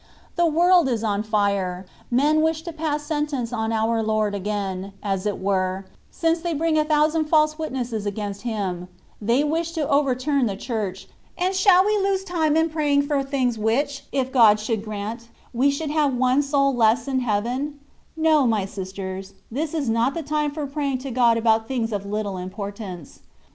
The world is on fire. Men wish to pass sentence on our Lord again, as it were, since they bring a thousand false witnesses against Him : they wish to overturn the Church i^ and *.'* Quieren ponei su Iglesia por el suelo/' &c. B 2 4 THE WAY OF PEEFECTION. shall we lose time in praying for things which, if God should grant, we should have one soul less in Heaven ? No, my sisters ; this is not the time for praying to God about things of little im portance.